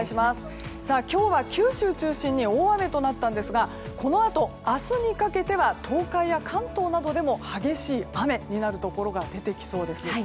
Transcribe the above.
今日は九州中心に大雨となったんですがこのあと、明日にかけては東海や関東などでも激しい雨になるところが出てきそうです。